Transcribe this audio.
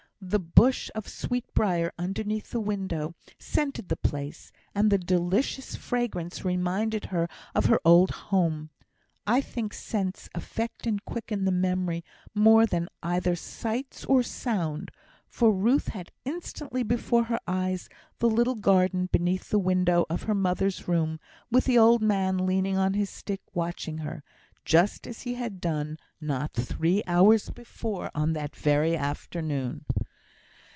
The bush of sweetbrier, underneath the window, scented the place, and the delicious fragrance reminded her of her old home. I think scents affect and quicken the memory more than either sights or sounds; for Ruth had instantly before her eyes the little garden beneath the window of her mother's room, with the old man leaning on his stick, watching her, just as he had done, not three hours before, on that very afternoon.